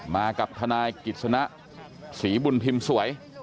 มากับทนายกิจสนะศรีบุญพิมพ์สวย